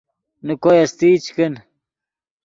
نے کوئے استئی چے کن